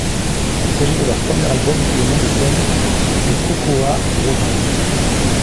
Il s'agit de leur premier album sous le nom de scène de Cocoa Brovaz.